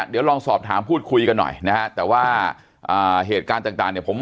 เดี๋ยวลองสอบถามพูดคุยกันหน่อยนะฮะแต่ว่าเหตุการณ์ต่างเนี่ยผม